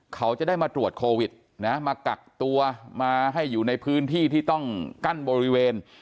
เขาจะได้มาตรวจโควิดนะมากักตัวมาให้อยู่ในพื้นที่ที่ต้องกั้นบริเวณ